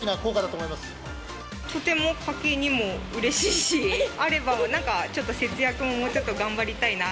とても家計にもうれしいし、あればなんかちょっと節約ももうちょっと頑張りたいな。